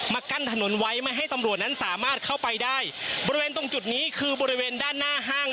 กั้นถนนไว้ไม่ให้ตำรวจนั้นสามารถเข้าไปได้บริเวณตรงจุดนี้คือบริเวณด้านหน้าห้าง